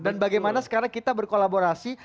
bagaimana sekarang kita berkolaborasi